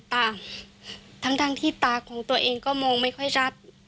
ตาทั้งที่ตาของตัวเองก็มองไม่ค่อยชัด